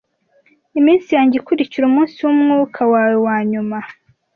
iminsi yanjye ikurikira umunsi wumwuka wawe wanyuma